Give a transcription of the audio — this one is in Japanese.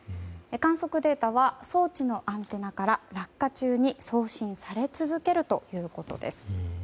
観測データは装置のアンテナから落下中に送信され続けるということです。